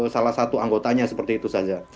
salah satu anggotanya seperti itu saja